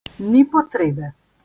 Ni potrebe.